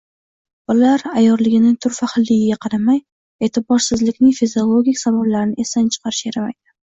Bolalar ayyorligining turfa xilligiga qaramay, e’tiborsizlikning fiziologik sabablarini esdan chiqarish yaramaydi.